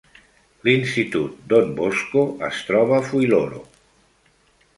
L'institut Don Bosco es troba a Fuiloro.